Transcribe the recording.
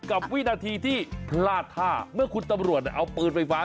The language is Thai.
วินาทีที่พลาดท่าเมื่อคุณตำรวจเอาปืนไฟฟ้า